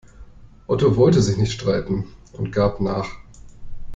Otto wollte sich nicht streiten und gab nach.